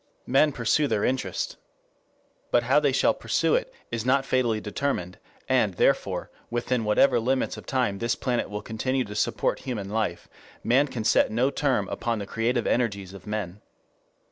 Men pursue their interest. But how they shall pursue it is not fatally determined, and, therefore, within whatever limits of time this planet will continue to support human life, man can set no term upon the creative energies of men.